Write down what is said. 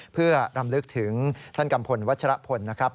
เพื่อรำลึกถึงท่านกัมพลวัชรพลนะครับ